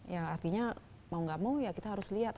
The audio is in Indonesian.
ya artinya mau gak mau ya kita harus lihat